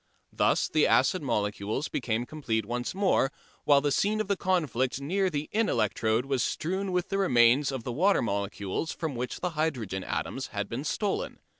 Thus the acid molecules became complete once more, while the scene of the conflict near the in electrode was strewn with the remains of the water molecules from which the hydrogen atoms had been stolen.